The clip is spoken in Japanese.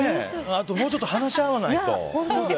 あともうちょっと話し合わないと。